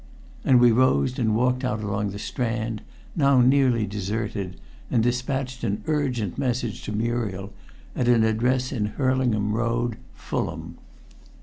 And we rose and walked out along the Strand, now nearly deserted, and despatched an urgent message to Muriel at an address in Hurlingham Road, Fulham.